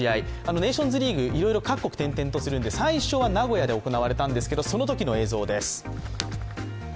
ネーションズリーグ、いろいろ各国転々とするんで、最初は名古屋で行われたんですが、そのときの映像です。